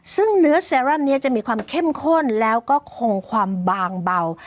ซึ่งเนื้อเซรั่มนี้จะมีความเข้มข้นแล้วก็คงความบางเบา